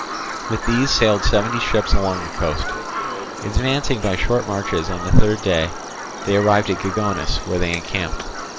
With these sailed seventy ships along the coast. Advancing by short marches, on the third day they arrived at Gigonus, where they encamped.